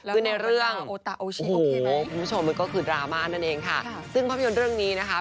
คือในเรื่องคุณผู้ชมมันก็คือดราม่านั่นเองค่ะซึ่งภาพยนตร์เรื่องนี้นะคะ